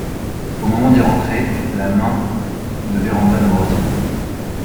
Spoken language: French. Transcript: Au moment d’y rentrer la main de Vérand’a me retient.